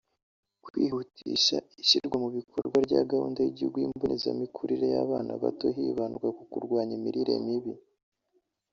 Kwihutisha ishyirwamubikorwa rya Gahunda y’Igihugu y’Imbonezamikurire y’Abana bato hibandwa ku kurwanya imirire mibi